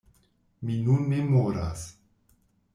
Mi nun memoras.